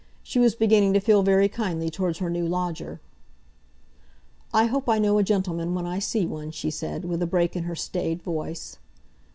She was beginning to feel very kindly towards her new lodger. "I hope I know a gentleman when I see one," she said, with a break in her staid voice.